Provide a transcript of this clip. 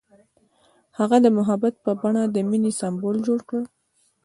هغه د محبت په بڼه د مینې سمبول جوړ کړ.